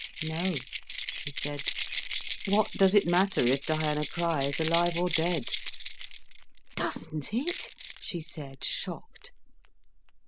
"No," he said. "What does it matter if Diana Crich is alive or dead?" "Doesn't it?" she said, shocked.